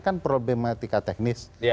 kan problematika teknis